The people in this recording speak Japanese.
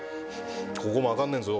ここもあかんねんぞ